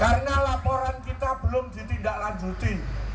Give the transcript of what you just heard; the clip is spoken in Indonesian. karena laporan kita belum ditindaklanjuti